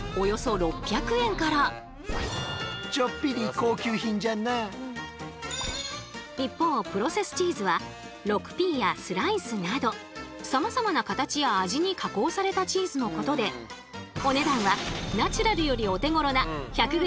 お値段は一方プロセスチーズは６Ｐやスライスなどさまざまな形や味に加工されたチーズのことでお値段はナチュラルよりお手ごろな１００ｇ